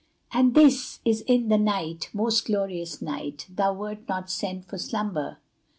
And this is in the night. Most glorious night! Thou wert not sent for slumber!